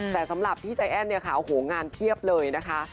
แต่สำหรับพี่ใจแอ้นเนี่ยค่ะโอ้โหงานเพียบเลยนะคะ